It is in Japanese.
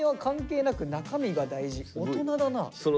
大人だな。